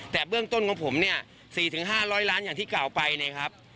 แต่เบื้องต้นของผมเนี่ย๕๖ล้านอย่างที่เก่าไปนะครับ